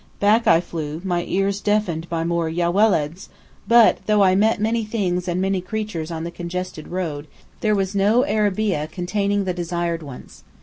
Back I flew, my ears deafened by more "Ya Welads," but though I met many things and many creatures on the congested road, there was no arabeah containing the desired ones.